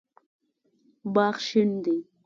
باغ شین دی